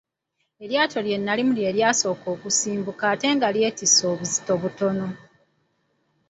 Eryato lye nalimu lye lyasooka okusimbuka ate nga lyetisse obuzito butono.